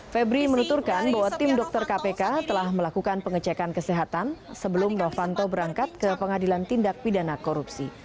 febri menuturkan bahwa tim dokter kpk telah melakukan pengecekan kesehatan sebelum novanto berangkat ke pengadilan tindak pidana korupsi